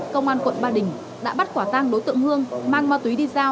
công an quận ba đình đã bắt quả tang đối tượng hương mang ma túy đi giao